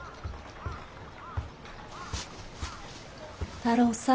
太郎さん。